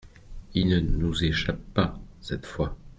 Il ne nous échappe pas, cette fois.